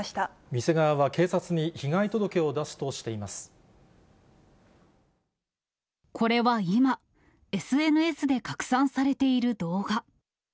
店側は警察に被害届を出すとこれは今、ＳＮＳで拡散されている動画。